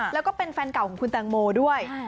แล้วก็เป็นแฟนเก่าของคุณแตงโมด้วย